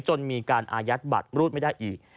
จนมีการอายัดบัตรรูดไม่ได้อีก